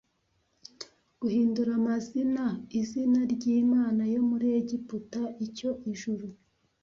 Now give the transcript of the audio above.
Guhindura amazina izina ryimana yo muri Egiputa icyo Ijuru